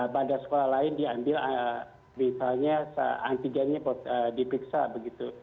pada sekolah lain diambil misalnya antigennya diperiksa begitu